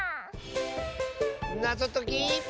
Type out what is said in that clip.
なぞとき。